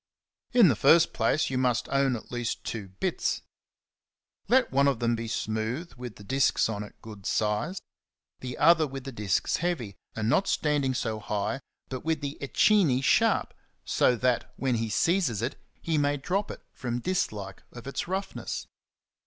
In the first place you must own at least two bits. 53 Let one of them be smooth, with the discs on it good sized ; the other with the discs heavy, and not standing so high, but with the echini sharp, so that. CHAPTER X. • 57 when he seizes it, he may drop it from dis like of its roughness.